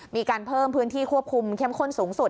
มีการเพิ่มพื้นที่ควบคุมเข้มข้นสูงสุด